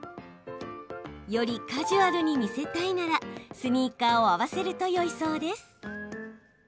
よりカジュアルに見せたいならスニーカーを合わせるとよいそうです。